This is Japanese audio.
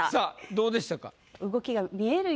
どうでしたか？